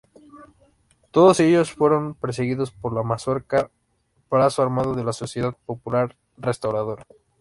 Todos ellos fueron perseguidos por la Mazorca, brazo armado de la Sociedad Popular Restauradora.